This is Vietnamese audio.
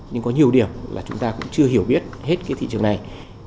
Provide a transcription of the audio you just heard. nhưng có nhiều điểm là chúng ta cũng chưa hiểu biết hết cái thị trường này